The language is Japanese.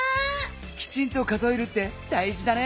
きちんと数えるってだいじだね。